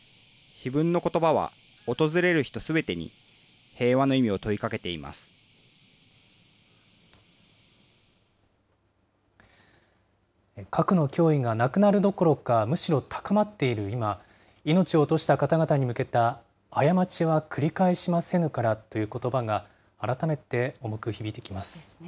碑文のことばは、訪れる人すべてに、平和の意味を問いかけていま核の脅威がなくなるどころか、むしろ高まっている今、命を落とした方々に向けた過ちは繰返しませぬからということばが、改めて重く響いてきます。